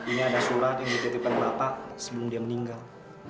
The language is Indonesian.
ini ada surat yang dititipkan ke bapak sebelum dia meninggal